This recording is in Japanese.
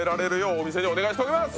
「お店にお願いしておきます」